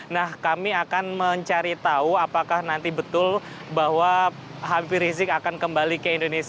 nah kami akan mencari tahu apakah nanti betul bahwa habib rizik akan kembali ke indonesia